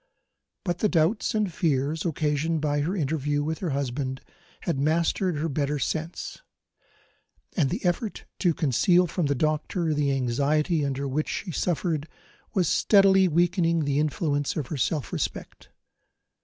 But the doubts and fears occasioned by her interview with her husband had mastered her better sense; and the effort to conceal from the doctor the anxiety under which she suffered was steadily weakening the influence of her self respect.